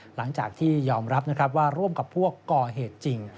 หลังจากที่ยอมรับนะครับว่าร่วมกับพวกก่อเหตุจริง